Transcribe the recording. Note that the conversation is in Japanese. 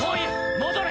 戻れ！